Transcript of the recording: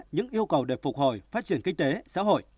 những yêu cầu để phục hồi phát triển kinh tế xã hội